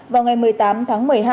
vào ngày một mươi tám tháng một mươi hai